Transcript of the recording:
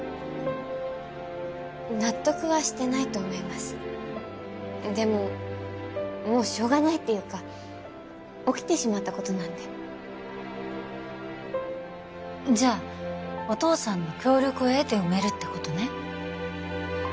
納得はしてないと思いますでももうしょうがないっていうか起きてしまったことなんでじゃお父さんの協力を得て産めるってことね？